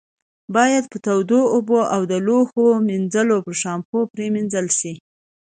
باید په تودو اوبو او د لوښو منځلو په شامپو پرېمنځل شي.